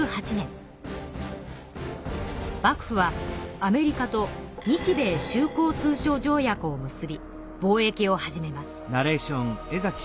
幕府はアメリカと日米修好通商条約を結び貿易を始めます。